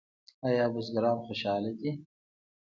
آیا بزګران خوشحاله دي؟